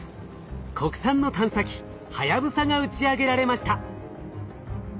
国産の探査機はやぶさが打ち上げられました。